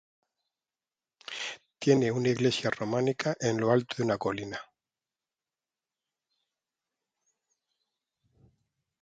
Tiene una iglesia románica en lo alto de una colina.